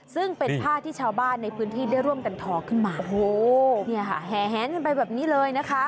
ซึ่งเป็นผ้าที่ชาวบ้านในพื้นที่ได้ร่วมกันทอขึ้นมาโอ้โหเนี่ยค่ะแหนกันไปแบบนี้เลยนะคะ